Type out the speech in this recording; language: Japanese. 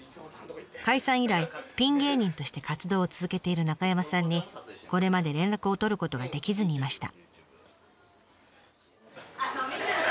解散以来ピン芸人として活動を続けている中山さんにこれまで連絡を取ることができずにいました。